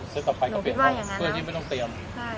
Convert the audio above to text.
ต่อไปก็เปลี่ยนห้องเพื่อที่ไม่ต้องเตรียม